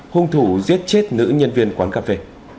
hung thủ giết chết nữ nhân viên quán cà phê